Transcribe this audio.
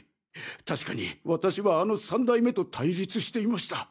確かに私はあの三代目と対立していました。